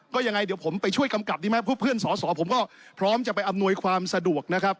ก็ยังไงเดี๋ยวผมไปช่วยกำกับดีไหมพวกเพื่อนสอสอผมก็พร้อมจะไปอำนวยความสะดวกนะครับ